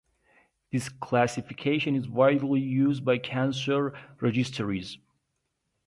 This classification is widely used by cancer registries.